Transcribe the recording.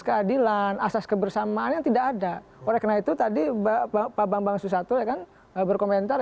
keadilan asas kebersamaan yang tidak ada oleh karena itu tadi pak bambang susatyo kan berkomentar